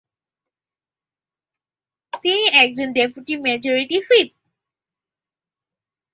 তিনি একজন deputy majority whip.